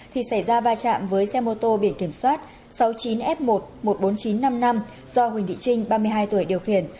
thì xảy ra va chạm với xe mô tô biển kiểm soát sáu mươi chín f một một mươi bốn nghìn chín trăm năm mươi năm do huỳnh thị trinh ba mươi hai tuổi điều khiển